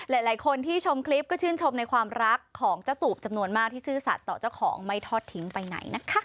หลายคนที่ชมคลิปก็ชื่นชมในความรักของเจ้าตูบจำนวนมากที่ซื่อสัตว์ต่อเจ้าของไม่ทอดทิ้งไปไหนนะคะ